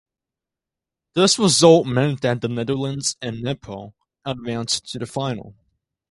This result meant that the Netherlands and Nepal advanced to the final.